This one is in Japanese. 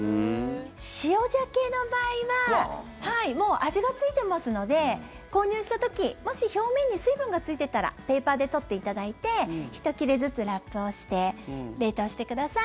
塩ザケの場合はもう味がついていますので購入した時もし表面に水分がついていたらペーパーで取っていただいて１切れずつラップをして冷凍してください。